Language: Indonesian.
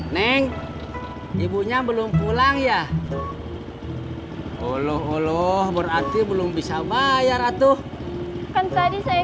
neng ibunya belum pulang ya olo olo berarti belum bisa bayar atau kan tadi saya